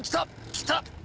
きた！